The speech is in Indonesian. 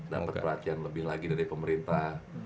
dapat perhatian lebih lagi dari pemerintah